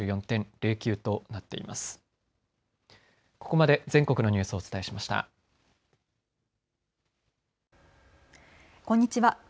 こんにちは。